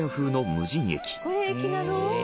羽田：これ、駅なの？